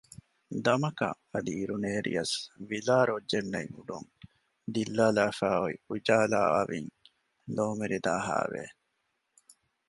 ދަމަކަށް އަދި އިރުނޭރިޔަސް ވިލާ ރޮއްޖެއް ނެތް އުޑުން ދިއްލާފައި އޮތް އުޖާލާ އަވިން ލޯމެރިދާހައި ވެ